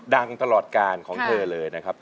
ดังตลอดกาลของเธอเลยนะครับ